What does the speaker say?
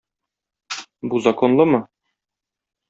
Бу законлымы?